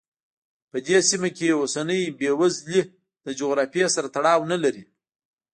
په دې سیمه کې اوسنۍ بېوزلي له جغرافیې سره تړاو نه لري.